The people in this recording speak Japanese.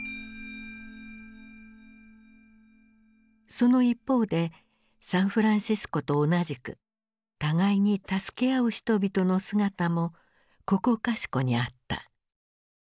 その一方でサンフランシスコと同じく互いに助け合う人々の姿もここかしこにあった。